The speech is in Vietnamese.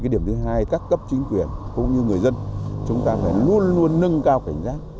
điểm thứ hai các cấp chính quyền cũng như người dân chúng ta phải luôn luôn nâng cao cảnh giác